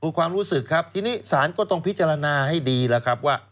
คือความรู้สึกครับทีนี้ศาลก็ต้องพิจารณาให้ดีแล้วครับว่า